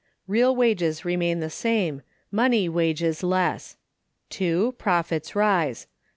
Real wages remain the same; money wages less. (2.) Profits rise.